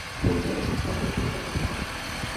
পরিযায়ী বা শীতকালে এরা দলবদ্ধ হয়।